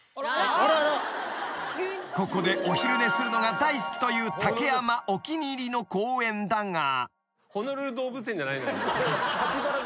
［ここでお昼寝するのが大好きという竹山お気に入りの公園だが］